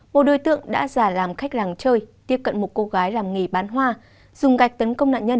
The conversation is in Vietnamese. một đối tượng đã giả làm khách làng chơi tiếp cận một cô gái làm nghề bán hoa dùng gạch tấn công nạn nhân